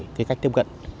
thay đổi cách tiếp cận